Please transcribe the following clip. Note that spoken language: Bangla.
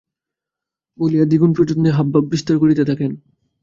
বলিয়া দ্বিগুণ প্রযত্নে হাবভাব বিস্তার করিতে থাকেন।